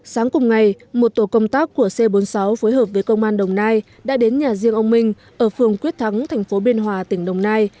sáng cùng ngày một tổ công tác của c bốn mươi sáu phối hợp với công an đồng nai đã đến nhà riêng ông minh ở phường quyết thắng thành phố biên hòa tỉnh đồng nai